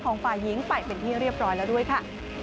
ฝ่ายหญิงไปเป็นที่เรียบร้อยแล้วด้วยค่ะ